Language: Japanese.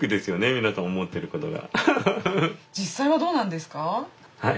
皆さん思ってることが。